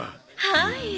はい。